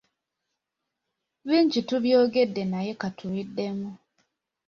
Bingi tubyogeddeko naye ka tubiddemu.